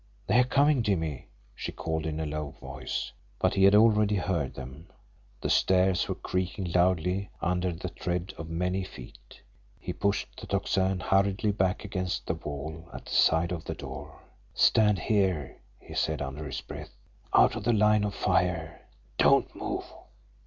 "They are coming, Jimmie!" she called, in a low voice. But he had already heard them the stairs were creaking loudly under the tread of many feet. He pushed the Tocsin hurriedly back against the wall at the side of the door. "Stand there!" he said, under his breath. "Out of the line of fire! Don't move!"